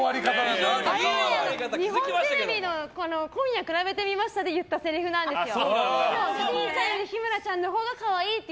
日本テレビの「今夜くらべてみました」で言ったセリフなんですよ。